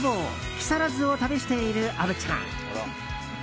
木更津を旅している虻ちゃん。